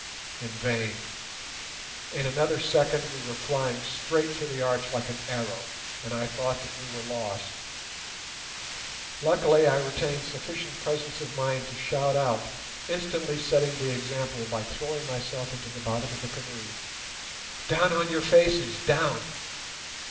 In vain; in another second we were flying straight for the arch like an arrow, and I thought that we were lost. Luckily I retained sufficient presence of mind to shout out, instantly setting the example by throwing myself into the bottom of the canoe, "Down on your faces—down!"